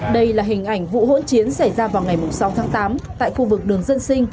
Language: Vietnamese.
đây là hình ảnh vụ hỗn chiến xảy ra vào ngày sáu tháng tám tại khu vực đường dân sinh